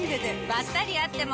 ばったり会っても。